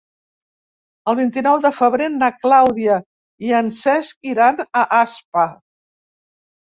El vint-i-nou de febrer na Clàudia i en Cesc iran a Aspa.